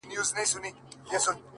سم ليونى سوم ـ